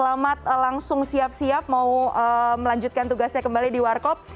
yang sangat langsung siap siap mau melanjutkan tugasnya kembali di warcop